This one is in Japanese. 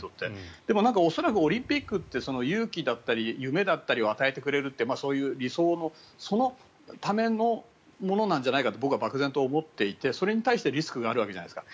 でも恐らくオリンピックって勇気だったり夢だったりを与えてくれるってそういう理想のそのためのものなんじゃないかって僕は漠然と思っていてそれに対してリスクがあるわけじゃないですか。